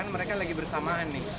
mereka lagi bersamaan pada saat itu